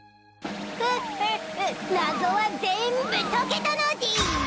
フッフッフ謎は全部解けたのでぃす！